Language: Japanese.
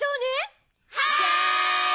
はい！